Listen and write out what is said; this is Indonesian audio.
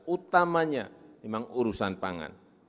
utamanya memang urusan pangan